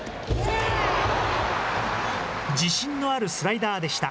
自信のあるスライダーでした。